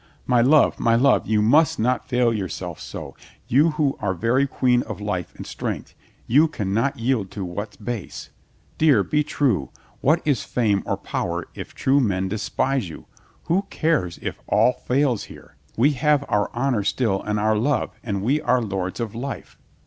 "My love, my love, you must not fail yourself so, you who are very queen of life and strength, you can not yield to what's base. Dear, be true! What is fame or power if true men despise you ? Who cares if all THE SURPRISE OF LUCINDA 219 fails here? We have our honor still and our love, and we are lords of life."